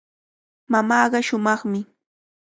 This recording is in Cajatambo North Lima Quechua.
Mamaaqa shumaqmi.